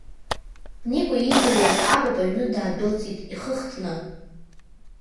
Никәа иидыруаз апап аҩны даадәылҵит, ихы хтны.